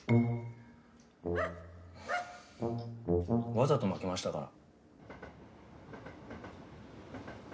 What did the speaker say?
わざと負けましたから。